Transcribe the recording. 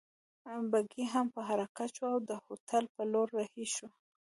بګۍ هم په حرکت شوه او د هوټل په لور رهي شوو.